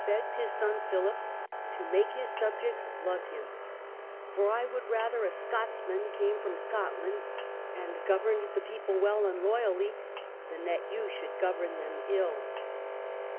begged his son Philip to make his subjects love him ;" for I would rather a Scotsman came from Scotland and governed the people vi^ell and loyally, than that you should govern them ill